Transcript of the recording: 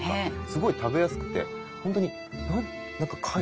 すごい食べやすくて本当に何か貝。